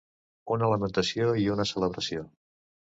Una lamentació i una celebració.